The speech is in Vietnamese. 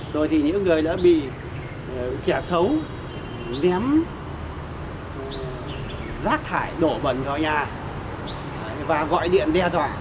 rồi thì những người đã bị kẻ xấu ném rác thải đổ bẩn vào nhà và gọi điện đe dọa